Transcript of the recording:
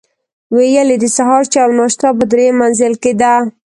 ویل یې د سهار چای او ناشته په درېیم منزل کې ده.